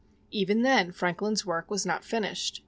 Even then, Franklin's work was not finished.